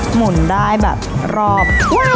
หมุนได้แบบรอบ